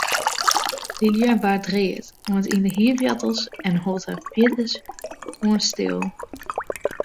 Lydia waard read oant yn de hierwoartels en hold har fierdersoan stil.